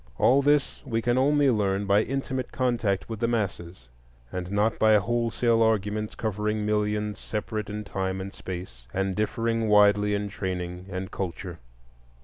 All this we can only learn by intimate contact with the masses, and not by wholesale arguments covering millions separate in time and space, and differing widely in training and culture.